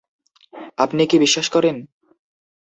আপনি কি বিশ্বাস করেন?